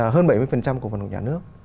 hơn bảy mươi của vận hòa của nhà nước